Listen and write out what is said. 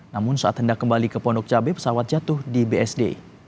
namun saat hendak kembali ke pondok cabai pesawat jatuh di bsd